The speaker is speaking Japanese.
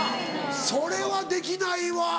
それはできないわ。